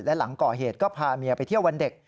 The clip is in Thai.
และหลังก่อเหตุก็พาเมียไปเที่ยววันเด็ก